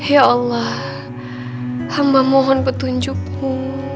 ya allah hamba mohon petunjukmu